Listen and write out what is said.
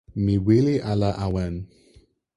mi wile ala awen.